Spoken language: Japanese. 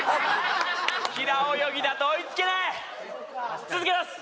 平泳ぎだと追いつけない続けます